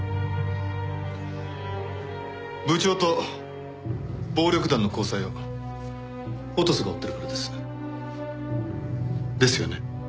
部長と暴力団の交際を『フォトス』が追ってるからです。ですよね？